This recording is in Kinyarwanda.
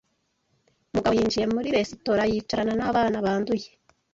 Mugabo yinjiye muri resitora yicarana n’abana banduye.